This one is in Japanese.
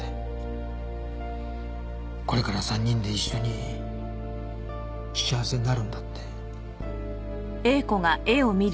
これから３人で一緒に幸せになるんだって。